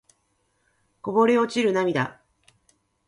こぼれ落ちる涙